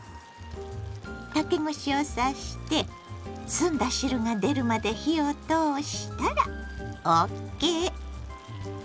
竹串を刺して澄んだ汁が出るまで火を通したらＯＫ。